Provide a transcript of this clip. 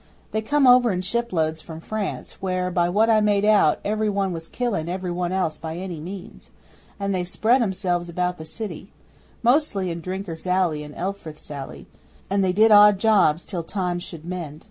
They come over in shiploads from France, where, by what I made out, every one was killing every one else by any means, and they spread 'emselves about the city mostly in Drinker's Alley and Elfrith's Alley and they did odd jobs till times should mend.